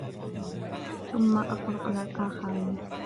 ثم أغرقنا الآخرين